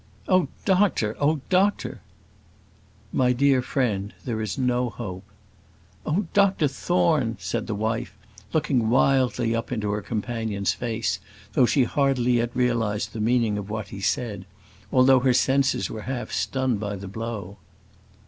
"Oh, doctor! oh, doctor!" "My dear friend, there is no hope." "Oh, Dr Thorne!" said the wife, looking wildly up into her companion's face, though she hardly yet realised the meaning of what he said, although her senses were half stunned by the blow.